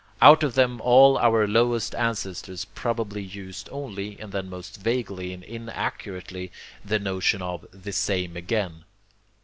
Out of them all our lowest ancestors probably used only, and then most vaguely and inaccurately, the notion of 'the same again.'